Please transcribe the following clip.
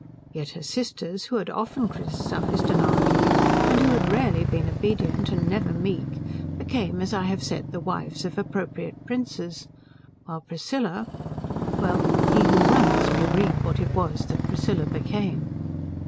Yet her sisters, who had often criticized and argued, and who had rarely been obedient and never meek, became as I have said the wives of appropriate princes, while Priscilla, well, he who runs may read what it was that Priscilla became.